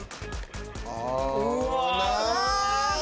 うわ。